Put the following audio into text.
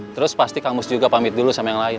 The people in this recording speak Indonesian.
terus pasti kamus juga pamit dulu sama yang lain